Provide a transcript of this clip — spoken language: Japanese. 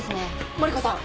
マリコさん